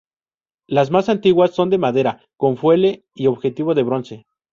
La más antiguas son de madera, con fuelle y objetivo de bronce.